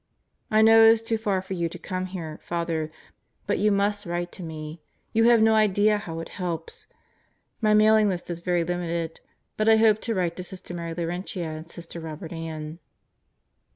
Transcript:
I know it is too far for you to come here, Father, but you must write to me. You have no idea how it helps. My mailing list is very limited, but I hope to write to Sister Mary Laurentia and Sister Robert Ann. .